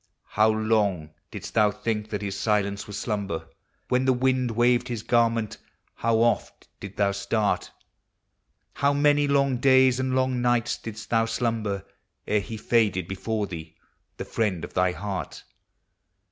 How long didst thou think that his silence was slumber? When the wind waved his garment, how oft didst thou start? How many long days and long nights didst thou number Ere he faded before thee, the friend of thy heart?